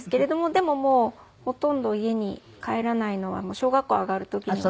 でももうほとんど家に帰らないのは小学校上がる時には。